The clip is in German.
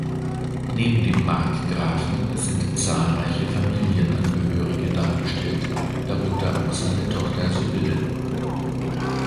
Neben dem Markgrafen sind zahlreiche Familienangehörige dargestellt, darunter auch seine Tochter Sibylle.